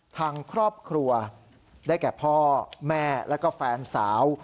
ทางครอบครัวได้แก่พ่อแม่แล้วก็แฟนสาว